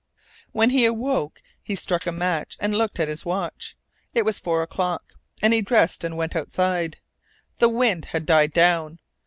When he awoke he struck a match and looked at his watch. It was four o'clock, and he dressed and went outside. The wind had died down.